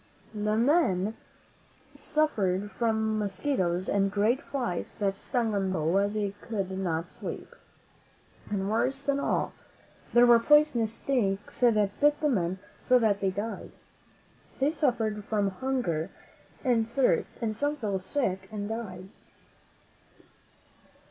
The men suffered from mosquitoes and great flies, that stung them so they could not sleep. And worse than all, there were poisonous snakes that bit the men so that they died. They suffered from hunger and thirst, and some fell sick and died.